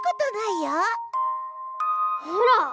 ほら！